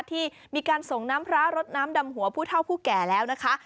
ที่มีการส่งน้ำพระรดน้ำดำหัวผู้เท่าผู้แก่แล้วนะคะ